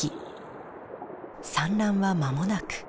産卵は間もなく。